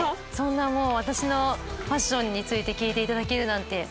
私のファッションについて聞いていただけるなんて。